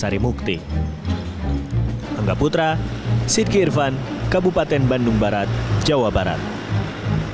untuk membuat hujan buatan di sekitar area tpa sarimukti